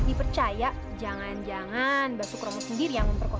hai saya goya enggak pak baru keluarga